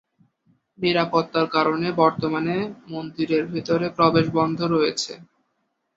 নিরাপত্তার কারণে বর্তমানে মন্দিরের ভিতরে প্রবেশ বন্ধ রয়েছে।